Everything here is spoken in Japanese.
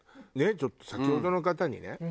ちょっと先ほどの方にね